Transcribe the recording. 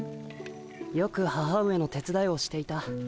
よく母上の手つだいをしていた。